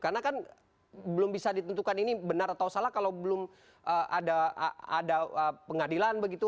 karena kan belum bisa ditentukan ini benar atau salah kalau belum ada pengadilan begitu